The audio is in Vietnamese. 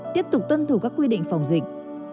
tiếp tục tuân thủ các quy định phòng dịch